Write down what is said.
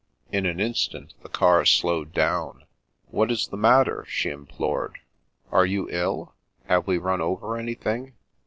In an instant the car slowed down. " What is the matter ?" she implored. " Are you ill ? Have we run over anything?